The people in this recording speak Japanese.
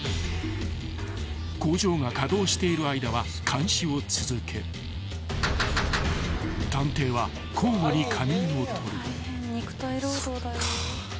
［工場が稼働している間は監視を続け探偵は交互に仮眠を取る］